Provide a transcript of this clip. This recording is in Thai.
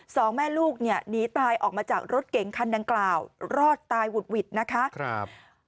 สองแม่ลูกเนี่ยหนีตายออกมาจากรถเก๋งคันดังกล่าวรอดตายหุดหวิดนะคะครับ